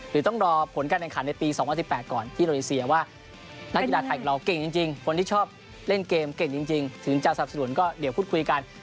หรือต้องรอผลการแข่งขันในปี๒๐๑๘ก่อนที่โดนีเซียว่านักกีฬาไทยของเราเก่งจริงคนที่ชอบเล่นเกมเก่งจริงถึงจะสนับสนุนก็เดี๋ยวพูดคุยกัน